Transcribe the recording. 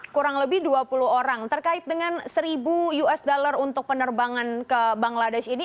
kurang lebih dua puluh orang terkait dengan seribu usd untuk penerbangan ke bangladesh ini